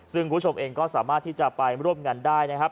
ซึ่งคุณผู้ชมเองก็สามารถที่จะไปร่วมงานได้นะครับ